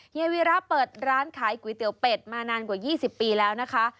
ยายวีระเปิดร้านขายก๋วยเตี๋ยวเป็ดมานานกว่า๒๐ปีแล้วนะคะ